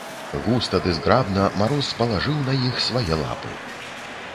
Густа ды зграбна мароз палажыў на іх свае лапы.